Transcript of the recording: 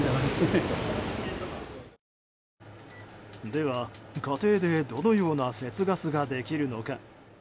では、家庭でどのような節ガスができるのか。